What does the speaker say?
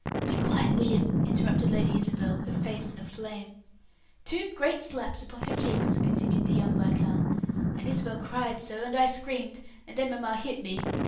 "Be quiet, William!" interrupted Lady Isabel, her face in a flame. "Two great slaps upon her cheeks," continued the young viscount; "and Isabel cried so, and I screamed, and then mamma hit me.